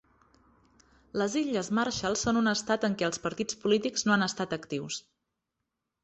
Les Illes Marshall són un estat en què els partits polítics no han estat actius.